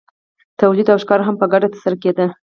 تولید او ښکار هم په ګډه ترسره کیده.